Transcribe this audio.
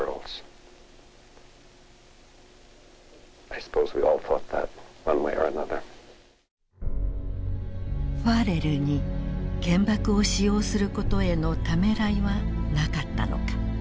ファレルに原爆を使用することへのためらいはなかったのか？